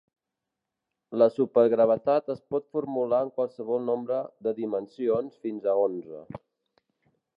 La supergravetat es pot formular en qualsevol nombre de dimensions fins a onze.